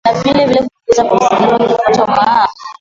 na vile vile kukuza kusimamia kipato maa